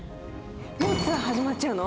もうツアー始まっちゃうの？